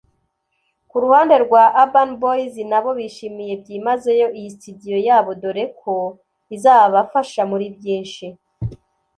Ku ruhande rwa Urban Boyz nabo bishimiye byimazeyo iyi studio yabo dore ko izabafasha muri byinshi